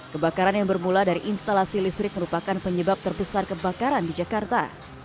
kebakaran yang bermula dari instalasi listrik merupakan penyebab terbesar kebakaran di jakarta